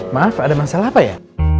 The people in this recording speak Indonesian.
maaf ada masalah apa ya